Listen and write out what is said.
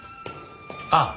ああ